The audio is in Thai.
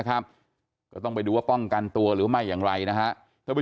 ก็ต้องไปดูว่าป้องกันตัวหรือไม่อย่างไรนะฮะท่านผู้